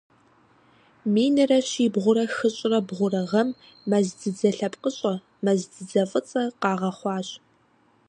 Минрэ щибгъурэ хыщӀрэ бгъурэ гъэм мэз дзыдзэ лъэпкъыщӀэ - мэз дзыдзэ фӀыцӀэ - къагъэхъуащ.